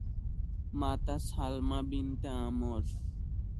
মাতা সালমা বিনতে আমর।